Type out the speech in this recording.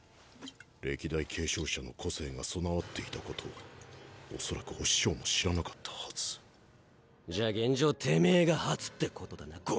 歴代継承者の個性が備わっていた事恐らくお師匠も知らなかったハズじゃあ現状てめが初ってことだな